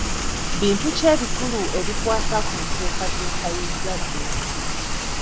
Bintu ki ebikulu ebikwata ku nteekateeka y'ezadde?